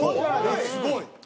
すごい！